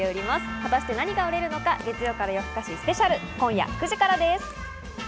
果たして何が売れるのか『月曜から夜ふかし』スペシャル、今夜９時からです。